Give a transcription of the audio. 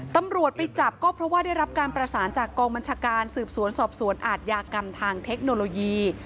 ตำรวจไปจับก็เพราะว่าได้รับการประสานจากกองบัญชาการสืบสวนสอบสวนอาทยากรรมทางเทคโนโลยี